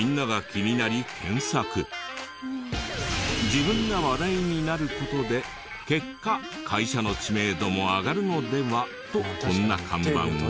自分が話題になる事で結果会社の知名度も上がるのでは？とこんな看板を。